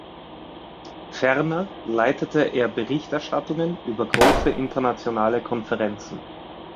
Ferner leitete er Berichterstattungen über große internationale Konferenzen.